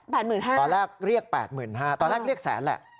แปดหมื่นห้าตอนแรกเรียกแปดหมื่นห้าตอนแรกเรียกแสนแหละ